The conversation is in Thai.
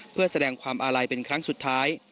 เพื่อแสดงความอาลัยเป็นครั้งสุดท้าย